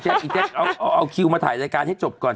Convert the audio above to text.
บอกอีแจ๊คเอาคิวมาถ่ายอดีตงน่าใจการให้จบก่อน